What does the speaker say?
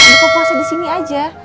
buka puasa di sini aja